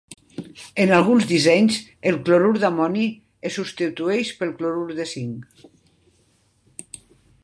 En alguns dissenys, el clorur d'amoni es substitueix pel clorur de zinc.